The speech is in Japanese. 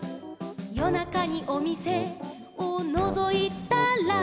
「よなかにおみせをのぞいたら」